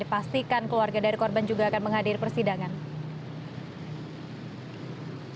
pastikan keluarga dari korban juga akan menghadir persidangan